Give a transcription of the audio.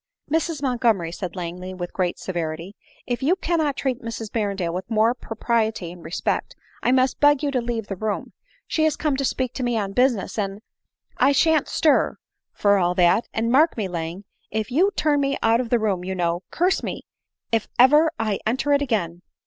" Mrs Montgomery," said Langley with great severity, # if you cannot treat Mrs Berrendale with more propri ety and respect, I must beg you to leave the room ; she is come to speak to me on business, and —"" I shan't stir, for all that ; and mark me Lang, if you turn me out of the room, you know, curse me, if ever I enter it again